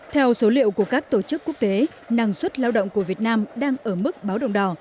theo số liệu của các tổ chức quốc tế năng suất lao động của việt nam đang ở mức báo đồng đỏ